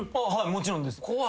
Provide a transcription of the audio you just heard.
もちろんです。